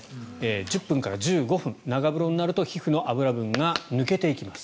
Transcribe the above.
１０分から１５分長風呂になると皮膚の脂分が抜けていきます。